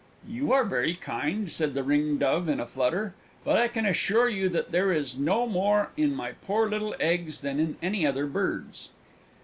"You are very kind," said the Ringdove, in a flutter, "but I can assure you that there is no more in my poor little eggs than in any other bird's!"